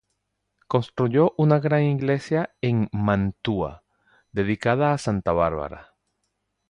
Construyó una gran iglesia en Mantua, dedicada a Santa Bárbara.